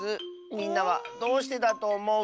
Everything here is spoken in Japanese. みんなはどうしてだとおもう？